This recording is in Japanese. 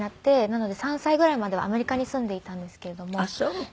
なので３歳ぐらいまではアメリカに住んでいたんですけれども。